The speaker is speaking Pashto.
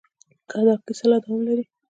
دا کیسه لا دوام لري.